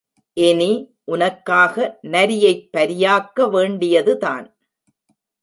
இனி, உனக்காக நரியைப் பரியாக்க வேண்டியதுதான்.